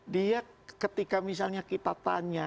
dia ketika misalnya kita tanya